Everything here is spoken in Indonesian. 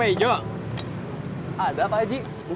antri ini laras tuh